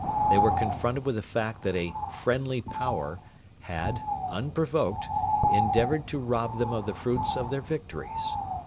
They were confronted with the fact that a 'friendly Power' had, unprovoked, endeavoured to rob them of the fruits of their victories.